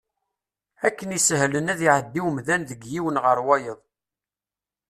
Akken isehlen ad iɛeddi umdan deg yiwen ɣer wayeḍ.